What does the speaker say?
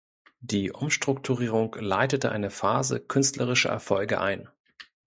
Die Umstrukturierung leitete eine Phase künstlerischer Erfolge ein.